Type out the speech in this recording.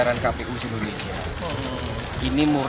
pak wahyu indonesia ini pak